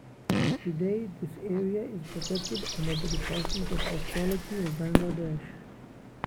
Today this area is protected under the Department of Archaeology of Bangladesh.